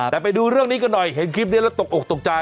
แต่ไปดูเรื่องนี้กันหน่อยเห็นคลิปนี้แล้วตกอกตกใจ